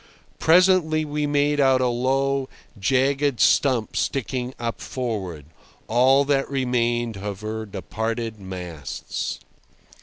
Presently we made out a low, jagged stump sticking up forward—all that remained of her departed masts.